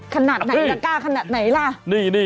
ขนาดไหนจะกล้าขนาดไหนล่ะ